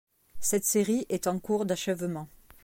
Cette série est en cours d'achèvement.